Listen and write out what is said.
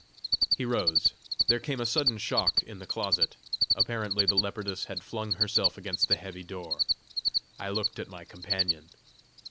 He rose. There came a sudden shock in the closet. Apparently the leopardess had flung herself against the heavy door. I looked at my companion.